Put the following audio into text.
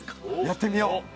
やってみよう。